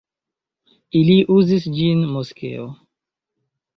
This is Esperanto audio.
Ili uzis ĝin moskeo.